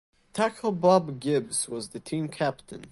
Tackle Bob Gibbs was the team captain.